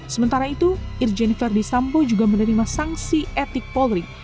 sementara itu ir jennifer disambo juga menerima sangsi etik polri